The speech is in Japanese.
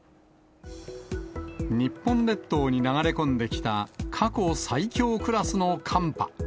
日本列島に流れ込んできた過去最強クラスの寒波。